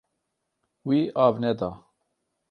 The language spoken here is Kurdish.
Wî av neda.